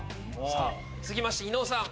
さぁ続きまして伊野尾さん